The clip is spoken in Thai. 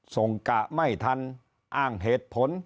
กะไม่ทันอ้างเหตุผล